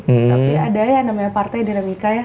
tapi ada ya namanya partai dinamika ya